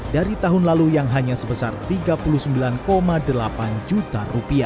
dari tahun lalu yang hanya sebesar rp tiga puluh sembilan delapan juta